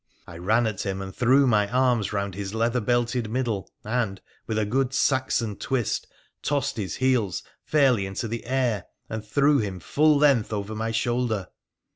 I ran at him, and threw my arms round his leather belted middle, and, with a good Saxon twist, tossed his heels fairly into the air and threw him full length over my shoulder.